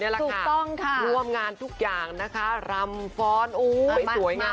ร่วมงานทุกอย่างนะคะรำฟ้อนสวยงาม